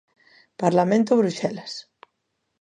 Parlamento Bruxelas.